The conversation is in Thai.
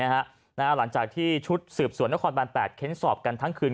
หลังจากที่ชุดสืบสวนนครบาน๘เค้นสอบกันทั้งคืน